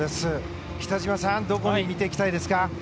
北島さん、どこを見ていきたいですか。